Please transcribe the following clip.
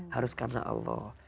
harus karena allah